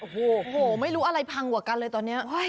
โอ้โหไม่รู้อะไรพังกว่ากันเลยตอนนี้